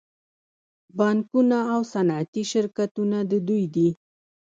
بانکونه او صنعتي شرکتونه د دوی دي